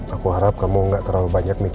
aku harap kamu gak terlalu banyak mikir